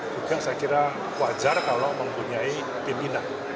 juga saya kira wajar kalau mempunyai pimpinan